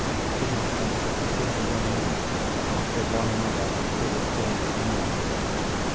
He could not have people running after one another till the storm came on.